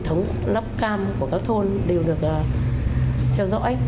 hệ thống nắp cam của các thôn đều được theo dõi